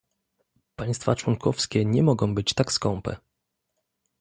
Państwa członkowskie nie mogą być tak skąpe